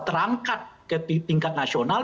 terangkat ke tingkat nasional